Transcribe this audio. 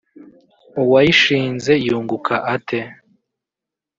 uwayishinze yunguka ate